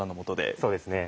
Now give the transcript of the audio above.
そうですね。